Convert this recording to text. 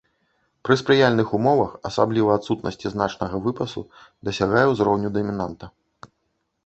Пры спрыяльных умовах, асабліва адсутнасці значнага выпасу, дасягае ўзроўню дамінанта.